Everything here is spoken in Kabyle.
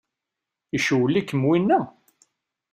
Icewwel-ikem winna?